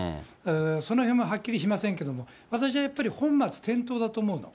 そのへんもはっきりしませんけども、私はやっぱり、本末転倒だと思うの。